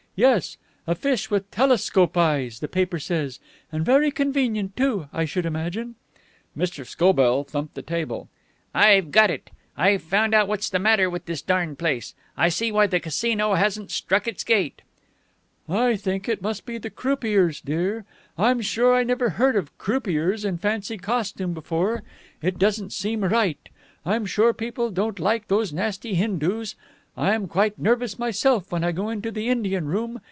Yes. A fish with 'telescope eyes,' the paper says. And very convenient too, I should imagine." Mr. Scobell thumped the table. "I've got it. I've found out what's the matter with this darned place. I see why the Casino hasn't struck its gait." "I think it must be the croupiers, dear. I'm sure I never heard of croupiers in fancy costume before. It doesn't seem right. I'm sure people don't like those nasty Hindoos. I am quite nervous myself when I go into the Indian room.